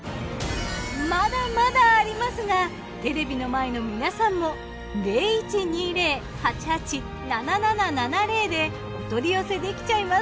まだまだありますがテレビの前の皆さんもでお取り寄せできちゃいます。